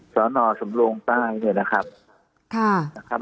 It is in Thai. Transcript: สนสำรงค์ใต้เนี่ยนะครับ